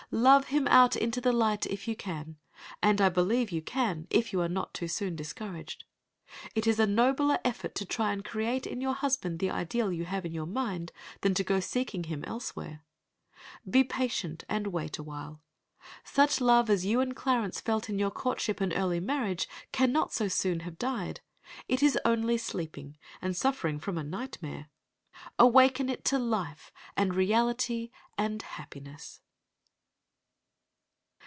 Love him out into the light if you can and I believe you can if you are not too soon discouraged. It is a nobler effort to try and create in your husband the ideal you have in your mind, than to go seeking him elsewhere. Be patient and wait awhile. Such love as you and Clarence felt in your courtship and early marriage cannot so soon have died. It is only sleeping, and suffering from a nightmare. Awaken it to life and reality and happiness.